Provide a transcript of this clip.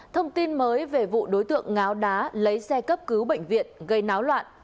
thông tin mới về vụ đối tượng ngáo đá lấy xe cấp cứu bệnh viện gây náo loạn